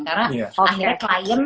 karena akhirnya klien